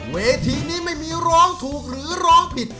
เวทีนี้ไม่มีร้องถูกหรือร้องผิด